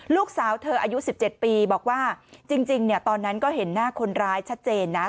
ลูกสาวเธออายุ๑๗ปีบอกว่าจริงตอนนั้นก็เห็นหน้าคนร้ายชัดเจนนะ